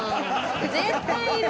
絶対いる。